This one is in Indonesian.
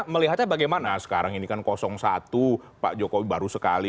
melihatnya bagaimana sekarang ini kan satu pak jokowi baru sekali